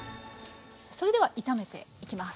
それでは炒めていきます。